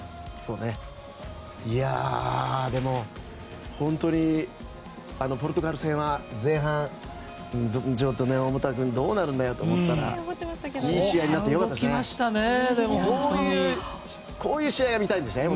でも、本当にポルトガル戦は前半はちょっとどうなるんだろうと思ったらいい試合になって良かったですね。